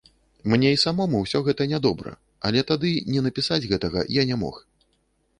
Мне і самому ўсё гэта нядобра, але тады не напісаць гэтага я не мог.